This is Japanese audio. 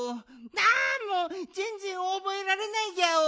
あもうぜんぜんおぼえられないギャオ。